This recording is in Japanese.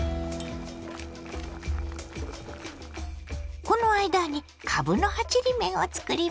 この間にかぶの葉ちりめんをつくりましょ。